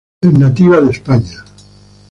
Es nativa de España.